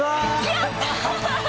やった！